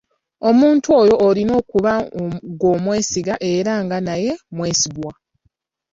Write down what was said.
Omuntu oyo olina okuba ng'omwesiga era nga naye mwesigwa.